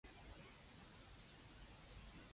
雞同鴨點分